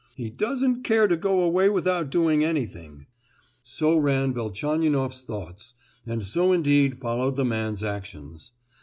—he doesn't care to go away without doing anything!" So ran Velchaninoff's thoughts, and so indeed followed the man's actions.